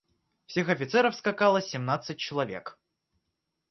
Всех офицеров скакало семнадцать человек.